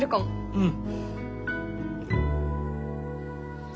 うん！